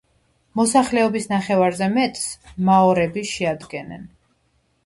მოსახლეობის ნახევარზე მეტს მაორები შეადგენენ.